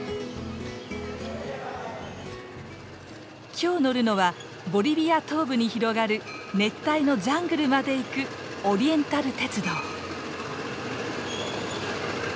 今日乗るのはボリビア東部に広がる熱帯のジャングルまで行くオリエンタル鉄道。